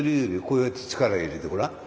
こうやって力入れてごらん。